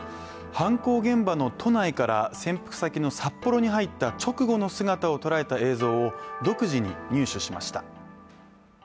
犯行現場の都内から、潜伏先の札幌に入った直後の姿を捉えた映像を独自に入手しました。